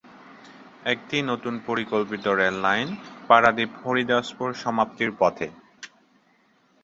একটি নতুন পরিকল্পিত রেললাইন লাইন পারাদ্বীপ-হরিদাসপুর সমাপ্তির পথে।